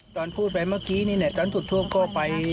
ตอนพูดไว้เมื่อกี้ตอนถุฐวคนไป